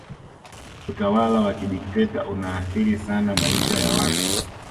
utawala wa kidikiteta unaathiri sana maisha ya watu